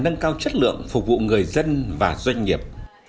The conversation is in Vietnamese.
nâng cao chất lượng phục vụ người dân và doanh nghiệp